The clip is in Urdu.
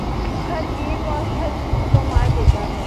ہر ایک اور ہر چیز کو مار دیتا ہے